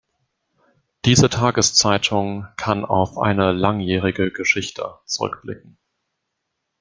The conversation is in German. Diese Tageszeitung kann auf eine langjährige Geschichte zurückblicken.